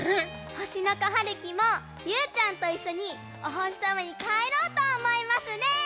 ほしのこはるきもりゅうちゃんといっしょにおほしさまにかえろうとおもいますです！